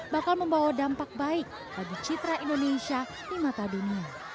bakal membawa dampak baik bagi citra indonesia di mata dunia